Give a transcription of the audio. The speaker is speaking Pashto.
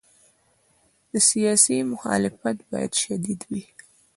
سیاسي مخالفت باید شدید وي.